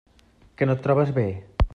Que no et trobes bé?